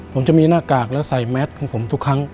ผมจะมีหน้ากากและใส่แมสของผมทุกครั้ง